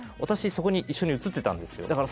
そこに一緒に映ってたんですだから